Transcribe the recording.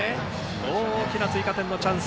大きな追加点のチャンス